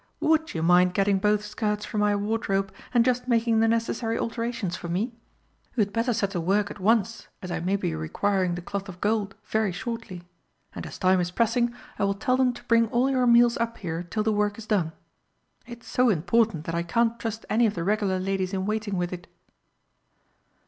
Would you mind getting both skirts from my wardrobe and just making the necessary alterations for me? You had better set to work at once, as I may be requiring the cloth of gold very shortly. And as time is pressing, I will tell them to bring all your meals up here till the work is done. It's so important that I can't trust any of the regular ladies in waiting with it."